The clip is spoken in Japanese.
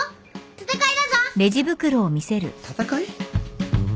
戦い？